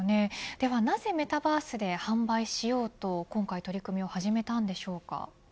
ではなぜメタバースで販売しようと今回取り組みを始めたのでしょうか。